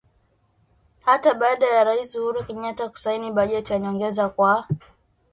Hata baada ya Raisi Uhuru Kenyatta kusaini bajeti ya nyongeza kwa